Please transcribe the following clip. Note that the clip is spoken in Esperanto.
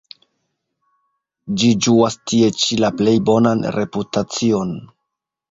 Ĝi ĝuas tie ĉi la plej bonan reputacion.